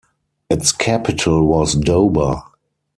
Its capital was Doba.